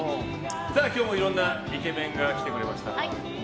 今日もいろんなイケメンが来てくれました。